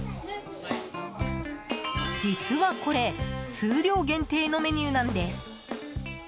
実はこれ数量限定のメニューなんです。